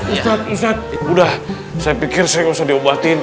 ustadz ustadz udah saya pikir saya nggak usah diobatin